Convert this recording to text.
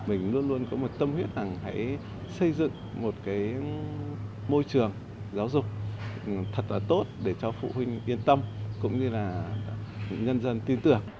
mình luôn luôn có một tâm huyết rằng hãy xây dựng một cái môi trường giáo dục thật là tốt để cho phụ huynh yên tâm cũng như là nhân dân tin tưởng